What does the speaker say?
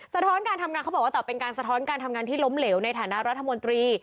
ท้อนการทำงานเขาบอกว่าแต่เป็นการสะท้อนการทำงานที่ล้มเหลวในฐานะรัฐมนตรี